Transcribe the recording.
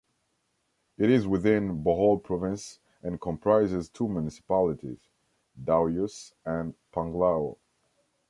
It is within Bohol Province, and comprises two municipalities: Dauis and Panglao.